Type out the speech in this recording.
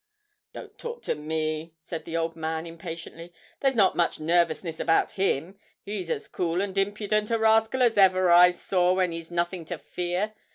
'Don't talk to me,' said the old man impatiently; 'there's not much nervousness about him he's as cool and impudent a rascal as ever I saw when he's nothing to fear.